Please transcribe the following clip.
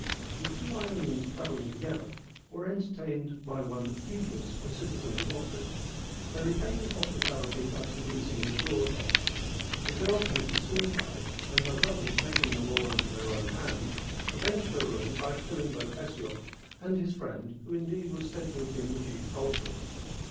The two Ionians travelling together were entertained by one Phegeus, a citizen of Locris. They repaid his hospitality by seducing his daughter : the girl committed suicide, and her brothers, taking the law into their own hands, avenged her ruin by killing both Hesiod and his friend, who indeed was said to have been the chief culprit.